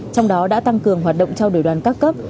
trong đó đã tăng cường hoạt động trao đổi đoàn các cấp